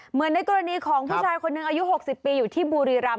เหมือนในกรณีของผู้ชายคนหนึ่งอายุ๖๐ปีอยู่ที่บุรีรำ